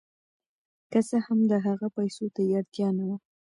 که څه هم د هغه پیسو ته یې اړتیا نه وه.